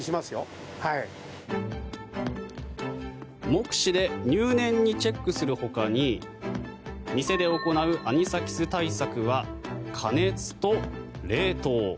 目視で入念にチェックするほかに店で行うアニサキス対策は加熱と冷凍。